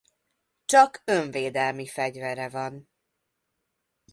Csak önvédelmi fegyvere van.